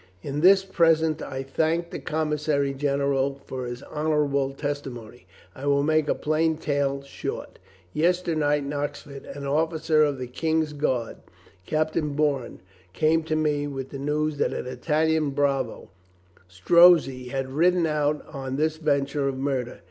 In this present I thank the commissary general for his honorable testimony. I will make a plain tale short. Yesternight in Oxford an officer of the King's guard, Captain Bourne, came to me with the news that an Italian bravo, Strozzi, had ridden out on this venture of murder.